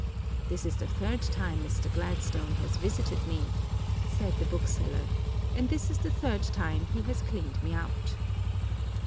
"This is the third time Mr. Gladstone has visited me," said the bookseller, "and this is the third time he has cleaned me out."